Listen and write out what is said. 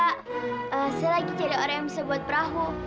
saya lagi cari orang yang bisa membuat perahu